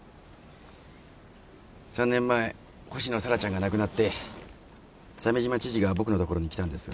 ３年前星野沙羅ちゃんが亡くなって鮫島知事が僕の所に来たんです。